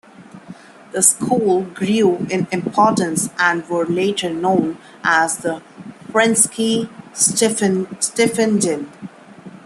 The schools grew in importance and were later known as the "Franckesche Stiftungen".